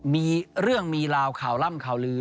มีเรื่องมีราวข่าวล่ำข่าวลือ